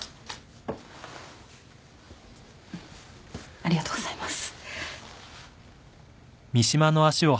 ありがとうございます。